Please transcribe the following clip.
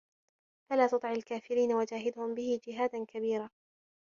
فَلا تُطِعِ الكافِرينَ وَجاهِدهُم بِهِ جِهادًا كَبيرًا